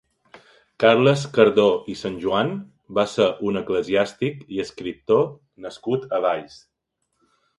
Carles Cardó i Sanjoan va ser un eclesiàstic i escriptor nascut a Valls.